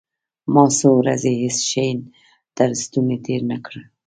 ما څو ورځې هېڅ شى تر ستوني تېر نه کړل.